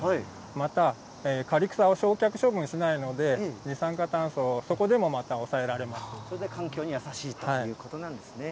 また、刈草を焼却処分しないので、二酸化炭素をそこでもまた抑えらそれで環境に優しいということなんですね。